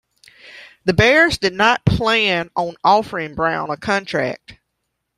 The Bears did not plan on offering Brown a contract.